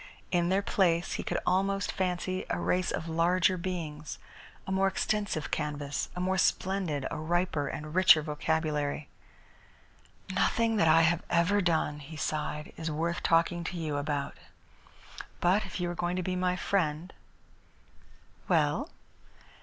In their place he could almost fancy a race of larger beings, a more extensive canvas, a more splendid, a riper and richer vocabulary. "Nothing that I have ever done," he sighed, "is worth talking to you about. But if you are going to be my friend " "Well?"